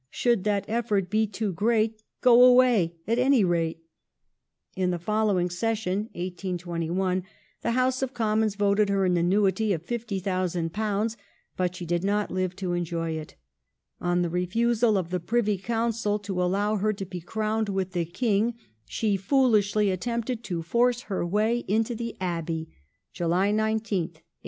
Should that effort be too great, Go away — at any rate. In the following session (1821) the House of Commons voted her an annuity of £50,000, but she did not live to enjoy it. On the refusal of the Privy Council to allow her to be crowned with the King, she foolishly attempted to force her way into the Abbey (July 19th, 1821).